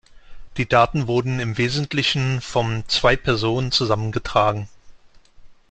Die Daten wurden im Wesentlichen von zwei Personen zusammengetragen.